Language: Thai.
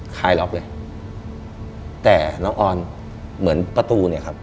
คลายล็อกเลยแต่น้องออนเหมือนประตูเนี่ยครับ